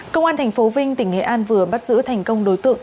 công an tp vinh tỉnh nghệ an vừa bắt giữ thành công đối tượng